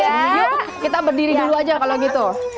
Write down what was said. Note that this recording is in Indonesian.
yuk kita berdiri dulu aja kalau gitu